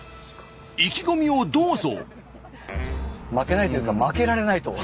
意気込みをどうぞ。